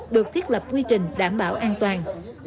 được thiết lập quy trình đảm bảo an toàn